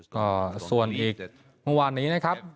ก็ส่วนอีกวันวานนี้นะครับ